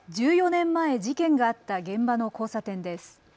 １４年前、事件があった現場の交差点です。